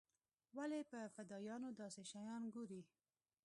ولې په فدايانو داسې شيان ګوري.